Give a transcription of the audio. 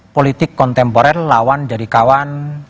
politik kontemporer lawan jadi kawan